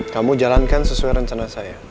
kamu jalankan sesuai rencana saya